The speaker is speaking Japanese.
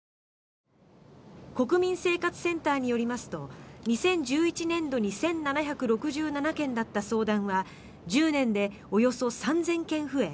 国民生活センターによりますと２０１１年度に１７６７件だった相談は１０年でおよそ３０００件増え